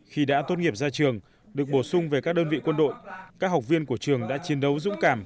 khi đã tốt nghiệp ra trường được bổ sung về các đơn vị quân đội các học viên của trường đã chiến đấu dũng cảm